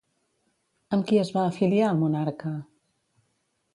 Amb qui es va afiliar el monarca?